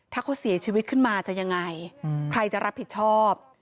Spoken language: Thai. ถ้าเขาเสียชีวิตขึ้นมาจะยังไงใครจะรับผิดชอบ